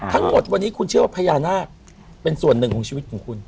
ทั้งหมดวันนี้คุณเชื่อว่าพญานาคเป็นส่วนหนึ่งของชีวิตของคุณ